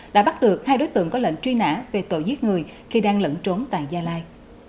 đã bắt được hai đối tượng có lệnh truy nã về tội giết người khi đang lẫn trốn tại gia lai